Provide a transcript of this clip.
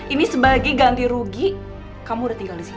ini sebagai ganti rugi kamu udah tinggal di sini